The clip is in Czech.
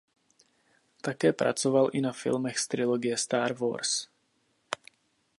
Také pracoval i na filmech z trilogie Star Wars.